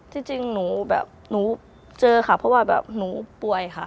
จริงหนูแบบหนูเจอค่ะเพราะว่าแบบหนูป่วยค่ะ